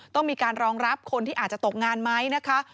ต้องมีการรองรับคนที่อาจจะตกงานไหมนะคะ